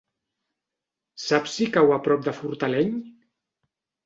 Saps si cau a prop de Fortaleny?